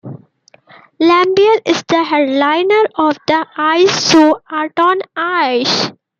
Lambiel is the headliner of the ice show Art on Ice.